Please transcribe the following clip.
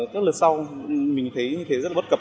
các lần sau mình thấy rất là bất cập